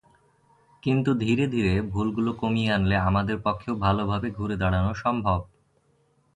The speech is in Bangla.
কিন্তু ধীরে ধীরে ভুলগুলো কমিয়ে আনলে আমাদের পক্ষেও ভালোভাবে ঘুরে দাঁড়ানো সম্ভব।